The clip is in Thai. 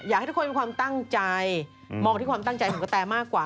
อยากให้ทุกคนเป็นความตั้งใจมองที่ความตั้งใจของกะแตมากกว่า